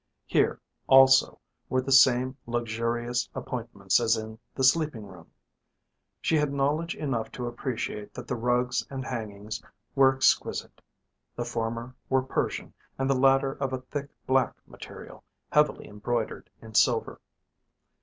Here, also, were the same luxurious appointments as in the sleeping room. She had knowledge enough to appreciate that the rugs and hangings were exquisite, the former were Persian and the latter of a thick black material, heavily embroidered in silver.